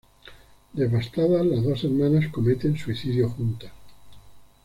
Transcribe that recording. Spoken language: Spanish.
Devastadas, las dos hermanas cometen suicidio juntas.